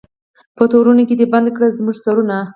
په تورونو کي دي بند کړل زموږ سرونه